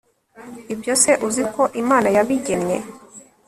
ibyo se uzi uko imana yabigennye